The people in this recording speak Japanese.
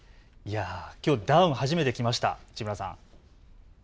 きょうダウンを初めて着ました、市村さん。